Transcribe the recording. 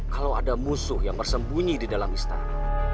kalau ada musuh yang bersembunyi di dalam istana